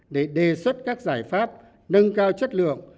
để đề xuất các giải pháp nâng cao chất lượng